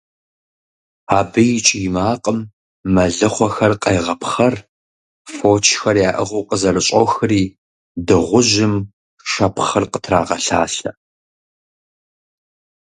Абы и кӀий макъым мэлыхъуэхэр къегъэпхъэр, фочхэр яӀыгъыу къызэрыщӀохри дыгъужьым шэпхъыр къытрагъэлъалъэ.